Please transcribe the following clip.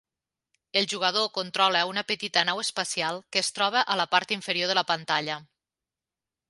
El jugador controla una petita nau espacial que es troba a la part inferior de la pantalla.